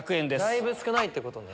だいぶ少ないってことね。